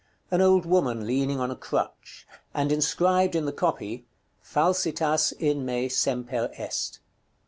An old woman leaning on a crutch; and inscribed in the copy, "FALSITAS IN ME SEMPER EST."